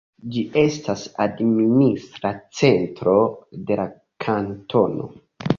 Ĝi estas administra centro de la kantono.